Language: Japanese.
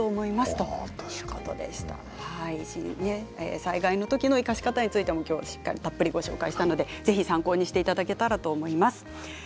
災害のときの生かし方についてもきょうたっぷりご紹介したのでぜひ参考にしていただけたらと思います。